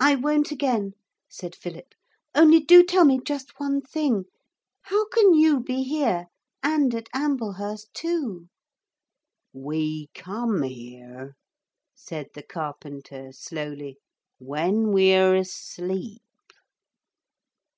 'I won't again,' said Philip. 'Only do tell me just one thing. How can you be here and at Amblehurst too?' 'We come here,' said the carpenter slowly, 'when we're asleep.'